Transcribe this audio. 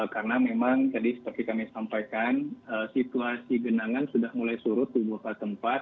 karena memang tadi seperti kami sampaikan situasi genangan sudah mulai surut di beberapa tempat